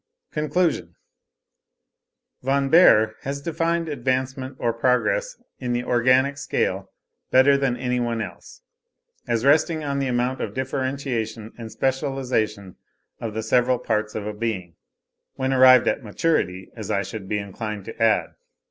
—CONCLUSION— Von Baer has defined advancement or progress in the organic scale better than any one else, as resting on the amount of differentiation and specialisation of the several parts of a being,—when arrived at maturity, as I should be inclined to add.